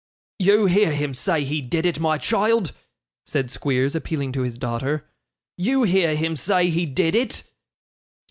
'You hear him say he did it, my child!' said Squeers, appealing to his daughter. 'You hear him say he did it!